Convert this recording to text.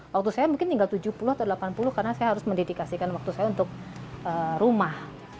waktu saya mungkin tinggal tujuh puluh atau delapan puluh karena saya harus mendedikasikan waktu saya untuk rumah